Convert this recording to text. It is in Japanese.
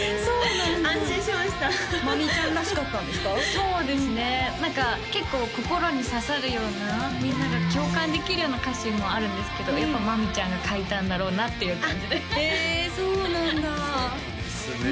そうですね何か結構心に刺さるようなみんなが共感できるような歌詞もあるんですけどやっぱまみちゃんが書いたんだろうなっていう感じでへえそうなんだそうなんですね